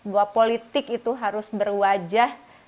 bahwa politik itu harus berwajah